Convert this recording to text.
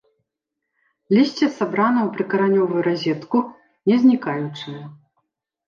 Лісце сабрана ў прыкаранёвую разетку, не знікаючае.